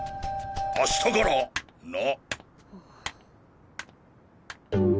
明日からな。